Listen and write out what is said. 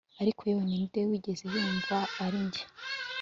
ariko yewe, ninde wigeze yumva ari njye